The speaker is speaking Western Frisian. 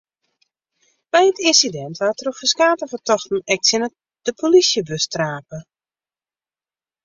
By it ynsidint waard troch ferskate fertochten ek tsjin de polysjebus trape.